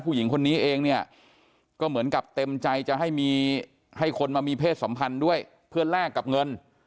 ผู้หญิงคนนี้เองเนี่ยก็เหมือนกับเต็มใจจะให้มีให้คนมามีเพศสัมพันธ์ด้วยเพื่อแลกกับเงิน